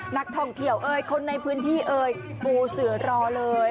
นักท่องเที่ยวเอ่ยคนในพื้นที่เอ่ยปูเสือรอเลย